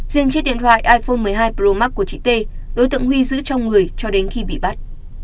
riêng chiếc điện thoại iphone một mươi hai pro max của chị t đối tượng huy giữ trong người cho đến khi bị bắt